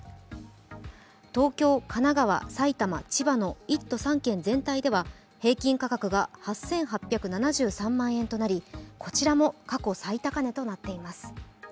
東京・神奈川・埼玉・千葉の１都３県全体では平均価格が８８７３万円となりこちらも過去最高値となっています。